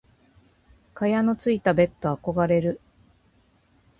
蚊帳のついたベット憧れる。